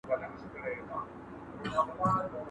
¬ خوله په غاښو ښايسته وي.